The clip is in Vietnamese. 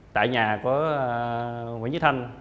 tại nhà của nguyễn trí thanh